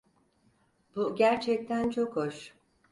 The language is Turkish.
Bu gerçekten çok hoş.